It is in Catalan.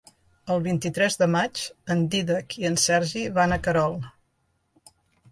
El vint-i-tres de maig en Dídac i en Sergi van a Querol.